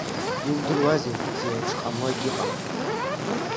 Иудыруазеи, зеиԥшҟамло егьыҟам.